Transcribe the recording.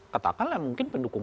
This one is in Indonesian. katakanlah mungkin pendukung